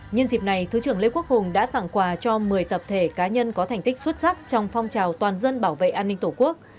nhân dịp này thứ trưởng lê quốc hùng đã tặng quà cho một mươi tập thể cá nhân có thành tích xuất sắc trong phong trào toàn dân bảo vệ an ninh tổ quốc